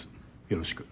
よろしく。